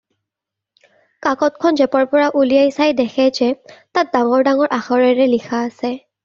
কাকতখন জেপৰ পৰা উলিয়াই চাই দেখে যে তাত ডাঙৰ ডাঙৰ আখৰেৰে লিখা আছে